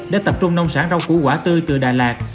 đã tập trung nông sản rau củ quả tư từ đà lạt